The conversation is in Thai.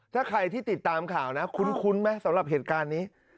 ถ้าใครที่ติดตามข่าวนะคุ้นไหมสำหรับเหตุการณ์นี้